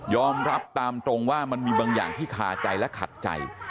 รับตามตรงว่ามันมีบางอย่างที่คาใจและขัดใจ